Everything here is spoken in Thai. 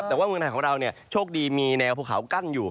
แต่ว่าเมืองไทยของเราโชคดีมีแนวภูเขากั้นอยู่